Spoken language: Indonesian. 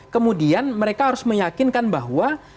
kemudian mereka harus meyakinkan bahwa